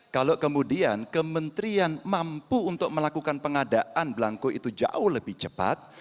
kalau kemudian kementerian mampu untuk melakukan pengadaan blanko itu jauh lebih cepat